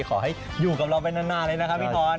ขอให้อยู่กับเราไปนานเลยนะครับพี่ทอน